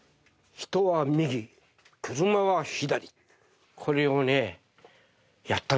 人は右車は左！